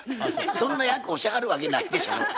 そんな役をしはるわけないでしょ。